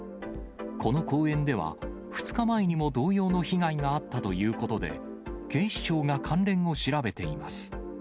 この公園では、２日前にも同様の被害があったということで、警視庁が関連を調べています。